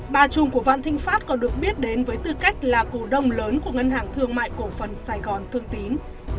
bà trùm của vạn thịnh pháp còn được biết đến với tư cách là cổ đông lớn của ngân hàng thương mại cổ phần sài gòn thương tín